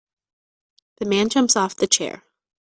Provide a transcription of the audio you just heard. The man jumps off the chair.